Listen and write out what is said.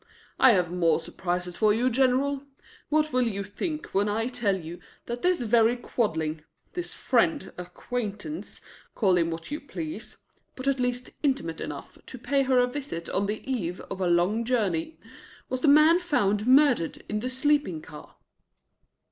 "I have more surprises for you, General. What will you think when I tell you that this very Quadling this friend, acquaintance, call him what you please, but at least intimate enough to pay her a visit on the eve of a long journey was the man found murdered in the sleeping car?"